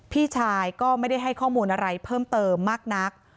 พี่ชายก็ไม่ได้ให้ข้อมูลอะไรเพิ่มเติมมากนัก